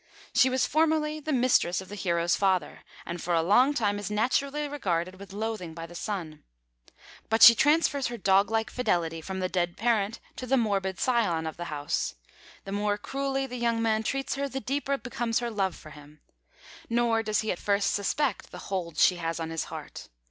She was formerly the mistress of the hero's father, and for a long time is naturally regarded with loathing by the son. But she transfers her dog like fidelity from the dead parent to the morbid scion of the house. The more cruelly the young man treats her, the deeper becomes her love for him. Nor does he at first suspect the hold she has on his heart.